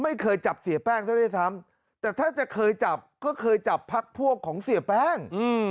ไม่เคยจับเสียแป้งซะด้วยซ้ำแต่ถ้าจะเคยจับก็เคยจับพักพวกของเสียแป้ง